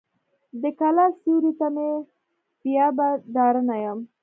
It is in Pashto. د کلا سیوري ته مې مه بیایه ډارنه یم.